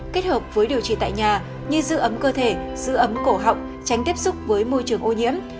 kết hợp với điều trị tại nhà như giữ ấm cơ thể giữ ấm cổ họng tránh tiếp xúc với môi trường ô nhiễm